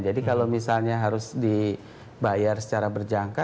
jadi kalau misalnya harus dibayar secara berjangka